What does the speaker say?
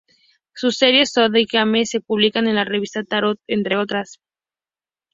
Sus series "Zodiac" y "Johannes", se publican en la revista Tarot, entre otras.